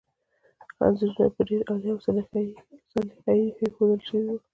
انځورونه په ډېر عالي سلیقې ایښودل شوي وو.